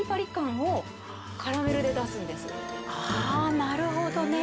あなるほどね。